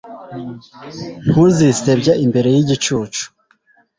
ntuzisebye imbere y'igicucu